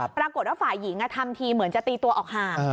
ปรากฏว่าฝ่ายหญิงทำทีเหมือนจะตีตัวออกห่าง